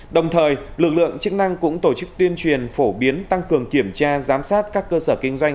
đồng thời lực lượng chức năng cũng tổ chức tuyên truyền phổ biến tăng cường kiểm tra giám sát các cơ sở kinh doanh